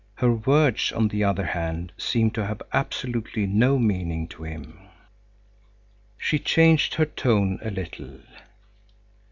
Her words, on the other hand, seemed to have absolutely no meaning to him. She changed her tone a little.